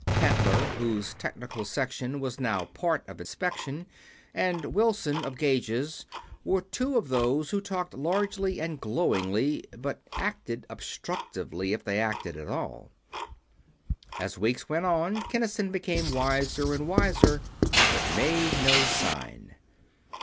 Pettler, whose Technical Section was now part of Inspection, and Wilson, of Gages, were two of those who talked largely and glowingly, but acted obstructively if they acted at all. As weeks went on, Kinnison became wiser and wiser, but made no sign.